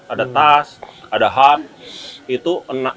ada tas ada hard